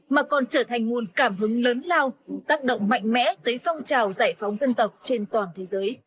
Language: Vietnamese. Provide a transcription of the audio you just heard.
mà còn trở thành nguồn cảm hứng lớn lao tác động mạnh mẽ tới phong trào giải phóng dân tộc trên toàn thế giới